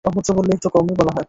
অভদ্র বললে একটু কমই বলা হয়।